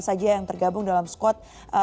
saja yang tergabung dalam squad